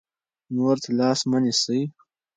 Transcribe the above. نورو ته لاس مه نیسئ.